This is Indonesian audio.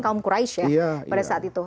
kaum quraisya pada saat itu